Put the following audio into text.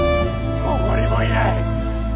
ここにもいない！